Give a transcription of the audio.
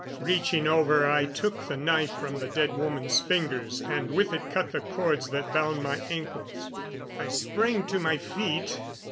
Reaching over, I took the knife from the dead woman's fingers, and with it cut the cords that bound my ankles. I sprang to my feet.